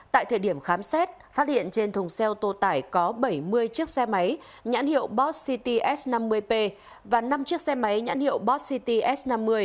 tại thời điểm khám xét phát hiện trên thùng xe ô tô tải có bảy mươi chiếc xe máy nhãn hiệu boss city s năm mươi p và năm chiếc xe máy nhãn hiệu boss city s năm mươi